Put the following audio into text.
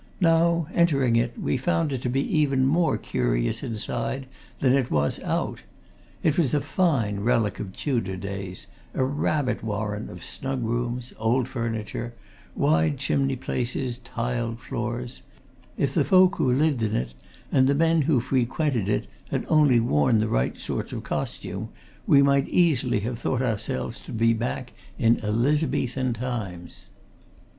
Now, entering it, we found it to be even more curious inside than it was out. It was a fine relic of Tudor days a rabbit warren of snug rooms, old furniture, wide chimney places, tiled floors; if the folk who lived in it and the men who frequented it had only worn the right sorts of costume, we might easily have thought ourselves to be back in "Elizabethan times."